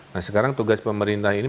nah sekarang tugas pemerintah ini